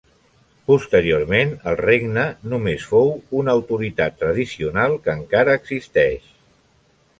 Posteriorment el regne només fou una autoritat tradicional que encara existeix.